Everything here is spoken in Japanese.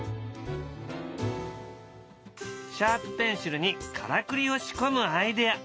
シャープペンシルにからくりを仕込むアイデア